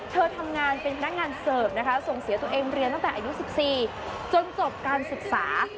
เธอทำงานเป็นพนักงานเสิร์ฟนะคะส่งเสียตัวเองเรียนตั้งแต่อายุ๑๔จนจบการศึกษา